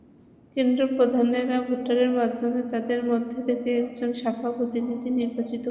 কেন্দ্রপ্রধানেরা ভোটের মাধ্যমে তাঁদের মধ্য থেকে একজন শাখা প্রতিনিধি নির্বাচিত করবেন।